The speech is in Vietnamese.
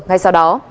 ngay sau đó